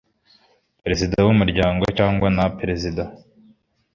perezida w umuryango cyangwa na perezida